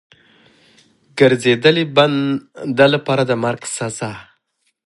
ګرځېدلي بنده لپاره د مرګ سزا.